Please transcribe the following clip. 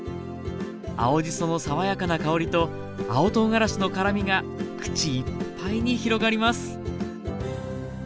青じその爽やかな香りと青とうがらしの辛みが口いっぱいに広がります